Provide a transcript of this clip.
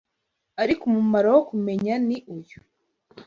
Ariko umumaro wo kumenya ni uyu